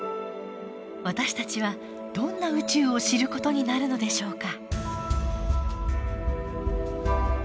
私たちはどんな宇宙を知る事になるのでしょうか。